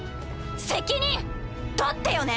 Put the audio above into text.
責任取ってよね。